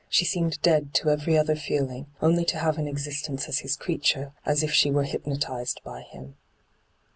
She seemed dead to every other feeling, only to have an existence as his creature, as if she were hypnotized by him.